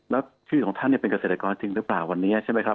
แล้วชื่อของท่านเป็นเกษตรกรจริงหรือเปล่าวันนี้ใช่ไหมครับ